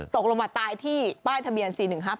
ตกลงมาตายที่ป้ายทะเบียน๔๑๕๘